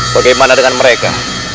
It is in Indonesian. bagaimana dengan mereka